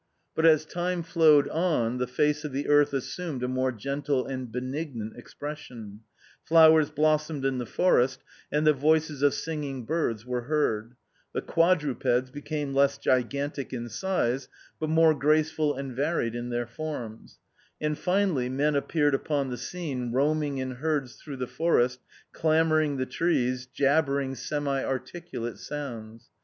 But as time flowed on the face of the earth assumed a more gentle and benignant ex pression ; flowers blossomed in the forest, and the voices of singing birds were heard ; the quadrupeds became less gigantic in size, but more graceful and varied in their forms ; and finally Men appeared upon the scene, roaming in herds through the forest, clam bering the trees, jabbering semi articulate sounds.